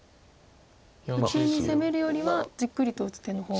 普通に攻めるよりはじっくりと打つ手の方が。